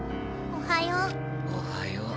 おはよう。